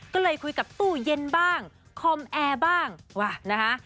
ก็เลยคุยกับตู้เย็นบ้างคอมแอร์บ้างว่ะนะคะ